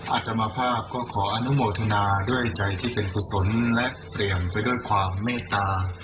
อาตมาภาพก็ขออนุโมทนาด้วยใจที่เป็นกุศลและเปลี่ยนไปด้วยความเมตตา